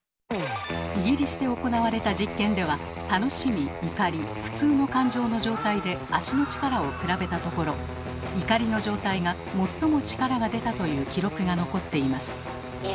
イギリスで行われた実験では「楽しみ」「怒り」「普通」の感情の状態で足の力を比べたところ「怒り」の状態が最も力が出たという記録が残っています。